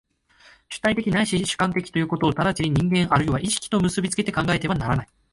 主体的ないし主観的ということを直ちに人間或いは意識と結び付けて考えてはならない。